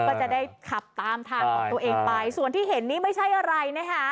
ก็จะได้ขับตามทางของตัวเองไปส่วนที่เห็นนี่ไม่ใช่อะไรนะคะ